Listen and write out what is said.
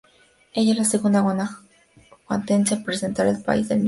Ella es la segunda Guanajuatense en representar al país en Miss Universo.